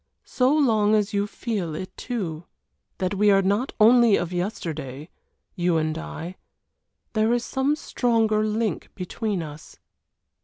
"So long as you feel it too that we are not only of yesterday, you and I. There is some stronger link between us."